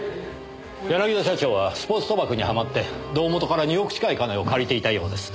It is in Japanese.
柳田社長はスポーツ賭博にはまって胴元から２億近い金を借りていたようです。